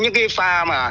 những cái pha